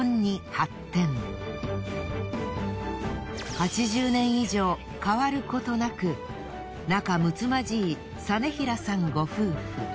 ８０年以上変わることなく仲むつまじい實平さんご夫婦。